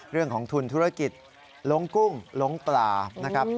เรื่องของทุนธุรกิจลงกุ้งล้งปลานะครับ